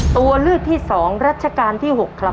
ตัวเลือดที่สองรัชการที่หกครับ